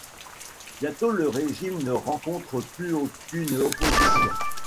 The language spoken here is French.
Bientôt, le régime ne rencontre plus aucune opposition.